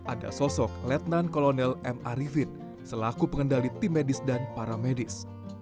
ada sosok letnan kolonel m arifin selaku pengendali tim medis dan para medis